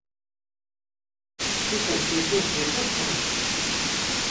Çûka Keko Peko pir in.